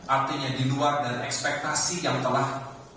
artinya di luar dari ekspektasi yang telah